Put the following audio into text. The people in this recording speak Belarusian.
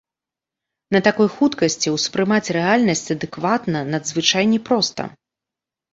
На такой хуткасці ўспрымаць рэальнасць адэкватна надзвычай няпроста.